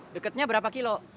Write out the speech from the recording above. deketnya berapa kilo